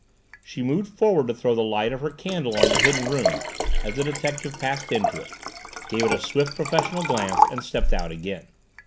She moved forward to throw the light of her candle on the Hidden Room as the detective passed into it, gave it a swift professional glance, and stepped out again.